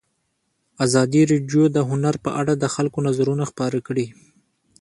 ازادي راډیو د هنر په اړه د خلکو نظرونه خپاره کړي.